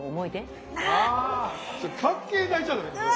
それ関係ないじゃない。